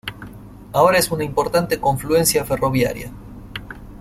Ahora es una importante confluencia ferroviaria.